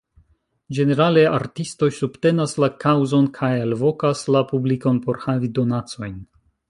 Ĝenerale artistoj subtenas la kaŭzon kaj alvokas la publikon por havi donacojn.